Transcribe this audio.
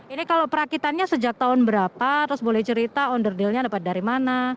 ini kalau perakitan nya sejak tahun berapa terus boleh cerita underdill nya dapat dari mana